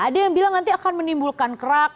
ada yang bilang nanti akan menimbulkan kerak